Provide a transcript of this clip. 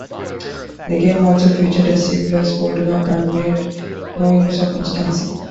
The game also featured a seamless world map, and made no use of instancing.